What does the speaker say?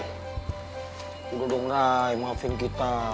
sudah dong rai maafin kita